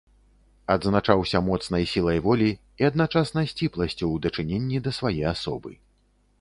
Адзначаўся моцнай сілай волі і адначасна сціпласцю у дачыненні да свае асобы.